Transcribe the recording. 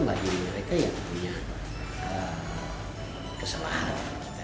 bagi mereka yang punya kesalahan